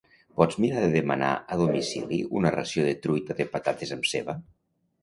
Pots mirar de demanar a domicili una ració de truita de patates amb ceba?